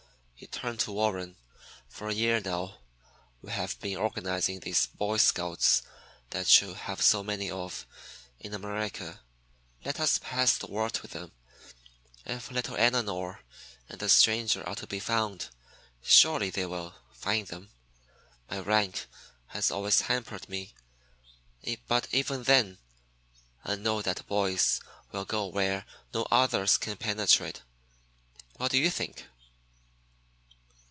He turned to Warren. "For a year now," he said, "we have been organizing these Boy Scouts that you have so many of in America. Let us pass the word to them. If little Elinor and the stranger are to be found, surely they will find them. My rank has always hampered me, but even then I know that boys will go where no others can penetrate. What do you think?"